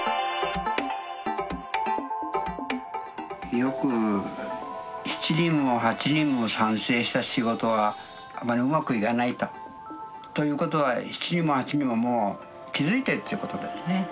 よく７人も８人も賛成した仕事はあまりうまくいかないと。ということは７人も８人ももう気付いてるっていうことだよね。